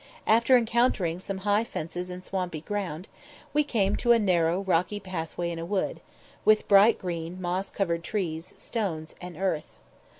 After encountering some high fences and swampy ground, we came to a narrow rocky pathway in a wood, with bright green, moss covered trees, stones, and earth.